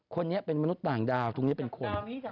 คนนี้เป็นมนุษย์ต่างดาวตรงนี้เป็นคน